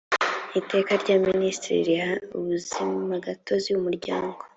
iteka rya minisitiri riha ubuzimagatozi umuryango